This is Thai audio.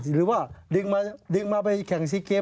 หรือว่าดึงมาไปแข่งซีเกม